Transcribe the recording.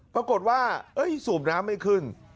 ปรากฏว่าสูบน้ำไม่ขึ้น